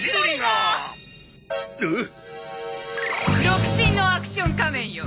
独身のアクション仮面よ